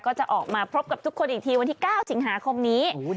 ก็จะออกมาพบกับทุกคนอีกทีวันที่๙สิงหาคมนี้